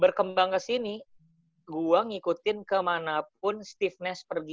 berkembang kesini gue ngikutin kemanapun stiffness pergi